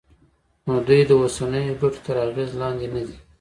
نو دوی د اوسنیو ګټو تر اغېز لاندې ندي.